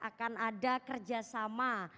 akan ada kerjasama